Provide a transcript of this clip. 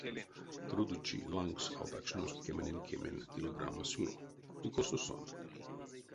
Трудочи лангс алтакшность кеменень-кемень килограмма сюро — ды косо сон?!